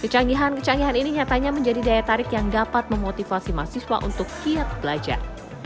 kecanggihan kecanggihan ini nyatanya menjadi daya tarik yang dapat memotivasi mahasiswa untuk kiat belajar